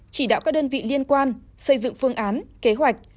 chỉ đạo các đơn vị liên quan xây dựng phương án kế hoạch